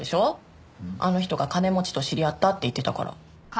あの人が「金持ちと知り合った」って言ってたから。